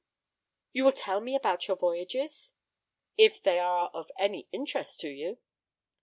"You will tell me about your voyages?" "If they are of any interest to you."